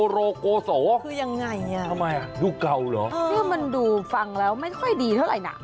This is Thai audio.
เรื่องมันดูฟังแล้วไม่ค่อยดีเท่าไร